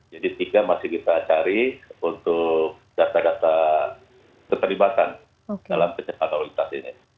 jadi tiga masih kita cari untuk data data keterlibatan dalam kecelakaan laluitas ini